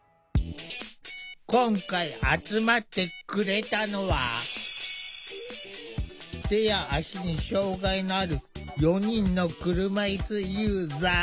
今回集まってくれたのは手や足に障害のある４人の車いすユーザー。